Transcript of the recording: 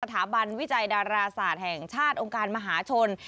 สถาบันวิจัยดาราศาสตร์แห่งชาติองค์การมหาชน